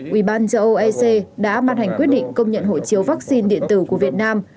ubnd châu âu ec đã ban hành quyết định công nhận hộ chiếu vaccine điện tử của việt nam